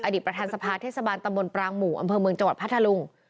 ประธานสภาเทศบาลตำบลปรางหมู่อำเภอเมืองจังหวัดพัทธลุง